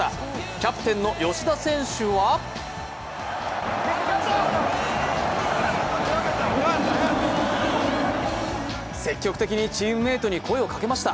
キャプテンの吉田選手は積極的にチームメイトに声をかけました。